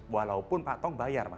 walaupun pak tong bayar